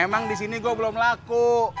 emang di sini gue belum laku